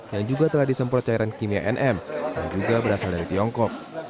yang juga telah disemprot cairan kimia nm yang juga berasal dari tiongkok